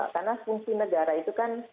karena fungsi negara itu kan